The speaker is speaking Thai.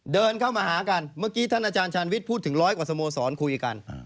เดินเข้ามาหากันเมื่อกี้ท่านอาจารย์ชาญวิทย์พูดถึงร้อยกว่าสโมสรคุยกัน